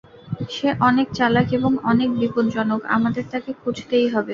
সে অনেক চালাক এবং অনেক বিপজ্জনক, আমাদের তাকে খুঁজতেই হবে।